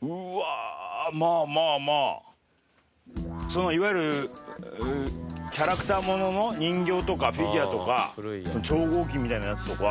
そのいわゆるキャラクターものの人形とかフィギュアとか超合金みたいなやつとか。